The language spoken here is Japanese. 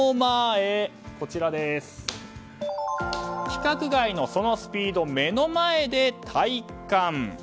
規格外のスピード、目の前で体感。